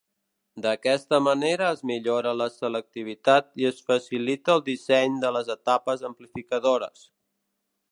D'aquesta manera es millora la selectivitat i es facilita el disseny de les etapes amplificadores.